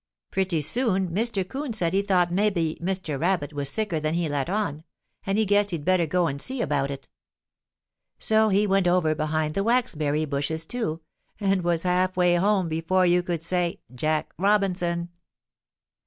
Pretty soon Mr. 'Coon said he thought mebbe Mr. Rabbit was sicker than he let on, and he guessed he'd better go and see about it. So he went over behind the waxberry bushes, too, and was half way home before you could say "Jack Robinson."